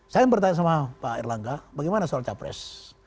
saya yang bertanya sama pak erlangga bagaimana soal capres